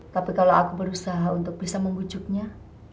tapi kalau aku berusaha untuk bisa membujuknya